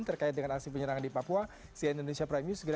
terkait dengan aksi penyerangan di papua sian indonesia prime news